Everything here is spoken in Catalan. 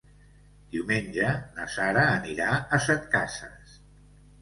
Diumenge na Sara anirà a Setcases.